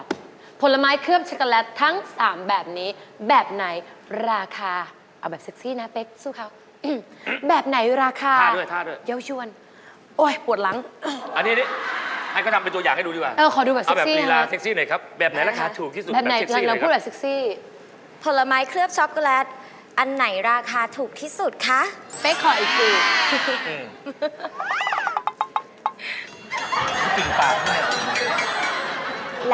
ใส่ค่ะทั้งสามแบบนี้แบบไหนอืมราคาถูกที่สุดค่ะ